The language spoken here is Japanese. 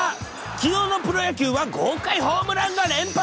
きのうのプロ野球は豪快ホームランの連発。